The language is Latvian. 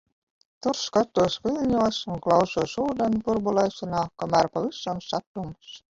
Tur skatos viļņos un klausos ūdens burbulēšanā, kamēr pavisam satumst.